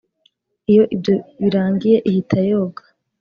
Iyo ibyo birangiye ihita yoga